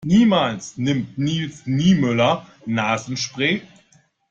Niemals nimmt Nils Niemöller Nasenspray.